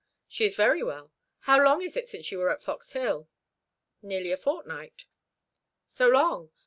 "She is very well. How long is it since you were at Fox Hill?" "Nearly a fortnight." "So long?"